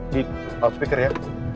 di loudspeaker ya